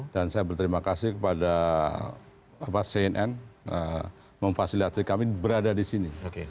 dan saya berterima kasih kepada cnn memfasilitasi kami berada di sini